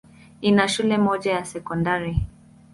Ina shule moja ya sekondari.